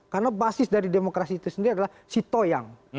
karena basis dari demokrasi itu sendiri adalah sitoyang